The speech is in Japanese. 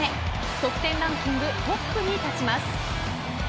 得点ランキングトップに立ちます。